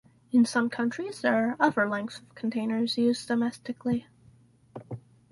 In some countries there are other lengths of containers used domestically.